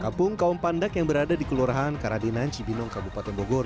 kampung kaum pandak yang berada di kelurahan karadinan cibinong kabupaten bogor